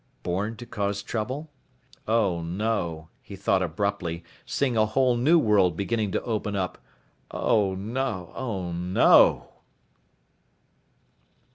Born to cause trouble? Oh no, he thought abruptly, seeing a whole new world beginning to open up, oh no, oh no....